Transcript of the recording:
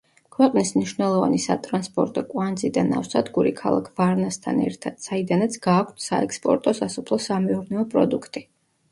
ქვეყნის მნიშვნელოვანი სატრანსპორტო კვანძი და ნავსადგური ქალაქ ვარნასთან ერთად, საიდანაც გააქვთ საექსპორტო სასოფლო-სამეურნეო პროდუქტი.